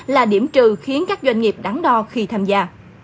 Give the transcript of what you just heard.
là điểm trừ khiến các doanh nghiệp đắng đo khi tham gia